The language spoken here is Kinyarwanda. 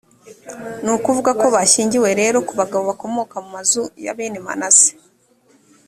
ni ukuvuga ko bashyingiwe rero ku bagabo bakomoka mu mazu ya bene manase